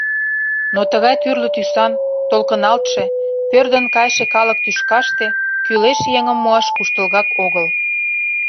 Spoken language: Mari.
Но тыгай тӱрлӧ тӱсан, толкыналтше, пӧрдын кайше калык тӱшкаште кӱлеш еҥым муаш куштылгак огыл.